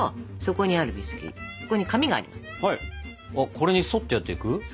これに沿ってやっていく？